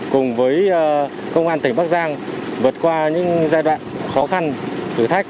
cùng với công an tỉnh bắc giang vượt qua những giai đoạn khó khăn thử thách